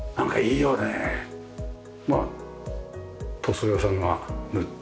まあ塗装屋さんが塗って。